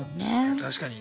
確かに。